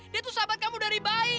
dia tuh sahabat kamu dari bayi